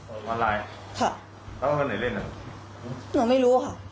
ออนไลน์ค่ะแล้วเขาเล่นไหนเล่นหนูไม่รู้ค่ะ